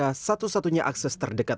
dan ini adalah satu satunya akses terdekat